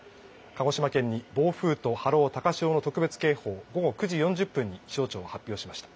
鹿児島県に暴風と波浪、高潮の特別警報を午後９時４０分に気象庁は発表しました。